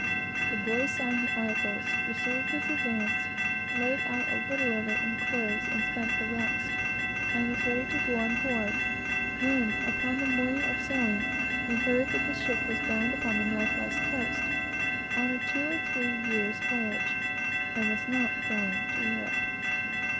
The boy signed the articles, received his advance, laid out a little of it in clothes, and spent the rest, and was ready to go on board, when, upon the morning of sailing, he heard that the ship was bound upon the North west Coast, on a two or three years' voyage, and was not going to Europe.